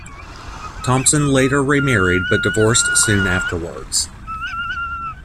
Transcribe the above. Thompson later remarried but divorced soon afterwards.